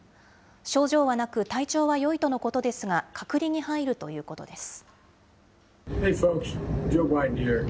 症状はなく、体調はよいとのことですが、隔離に入るということです。